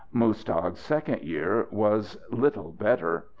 Muztagh's second year was little better.